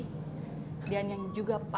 dan yang juga paling khasnya adalah bakso pemtiana